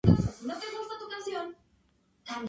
Hasta ahora.